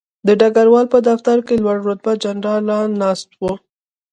د ډګروال په دفتر کې لوړ رتبه جنرالان ناست وو